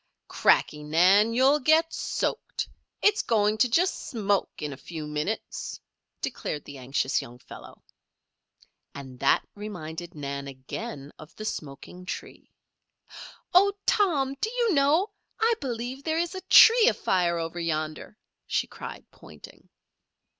"Cracky, Nan! You'll get soaked. It's going to just smoke in a few minutes," declared the anxious young fellow. And that reminded Nan again of the smoking tree. "Oh, Tom! Do you know I believe there is a tree afire over yonder," she cried, pointing.